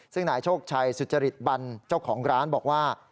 ซึ่งนายโชคชัยสุจริตบันเจ้าของร้านบอกว่า